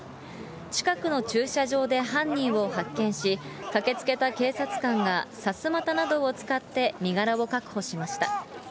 近くの駐車場で犯人を発見し、駆けつけた警察官がさすまたなどを使って身柄を確保しました。